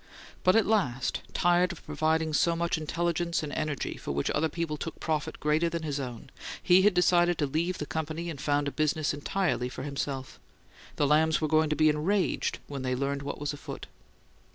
But at last, tired of providing so much intelligence and energy for which other people took profit greater than his own, he had decided to leave the company and found a business entirely for himself. The Lambs were going to be enraged when they learned what was afoot.